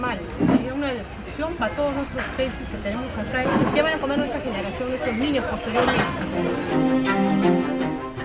apa yang akan makan generasi kita anak anak kita yang akan menjualnya